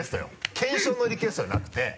検証のリクエストじゃなくて。